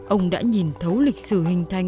ông đã nhìn thấu lịch sử hình thành